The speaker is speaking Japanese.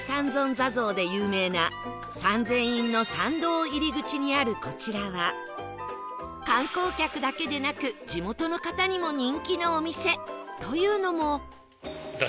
坐像で有名な三千院の参道入り口にあるこちらは観光客だけでなく地元の方にも人気のお店というのも